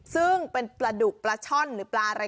ซึ่งเป็นปลาดุกปลาช่อนหรือปลาอะไร